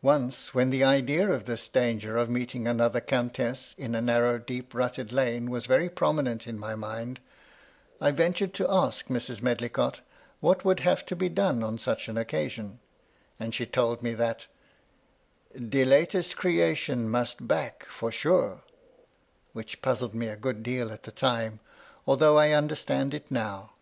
Once when the idea of this danger of meeting another countess in a narrow deep rutted lane was very prominent in my mind, I ventured to ask Mrs. Medlicott what would have to be done on such an occasion ; and she told me that de latest creation must back, for sure," which puzzled me a good deal at the time, although I under stand it now.